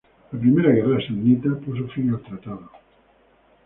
La primera guerra samnita puso fin al tratado.